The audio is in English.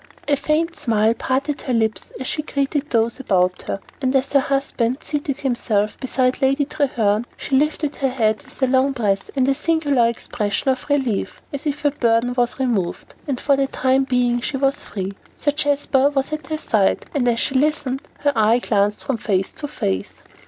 A faint smile parted her lips as she greeted those about her, and as her husband seated himself beside Lady Treherne, she lifted her head with a long breath, and a singular expression of relief, as if a burden was removed, and for the time being she was free. Sir Jasper was at her side, and as she listened, her eye glanced from face to face.